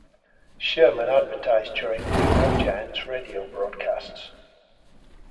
Sherman advertised during New York Giants radio broadcasts.